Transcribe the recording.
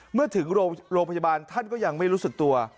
เมื่อถึงโรงพยาบาลท่านก็ยังไม่รู้สึกตัว